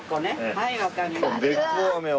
はいわかりました。